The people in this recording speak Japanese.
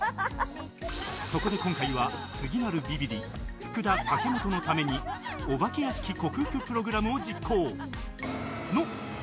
そこで今回は次なるビビリ福田武元のためにお化け屋敷克服プログラムを実行！